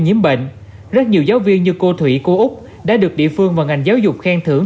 nhiễm bệnh rất nhiều giáo viên như cô thủy cô úc đã được địa phương và ngành giáo dục khen thưởng